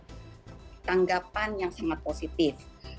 saya memiliki tanggapan yang sangat positif